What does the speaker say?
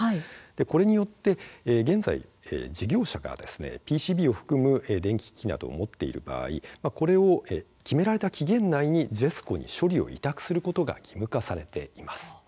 これによって現在、事業者がＰＣＢを含む電気機器などを持っている場合これを決められた期限内にＪＥＳＣＯに処理を委託することが義務化されています。